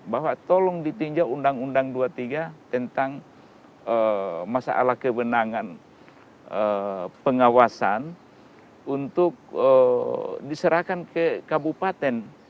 bahwa tolong ditinjau undang undang dua puluh tiga tentang masalah kewenangan pengawasan untuk diserahkan ke kabupaten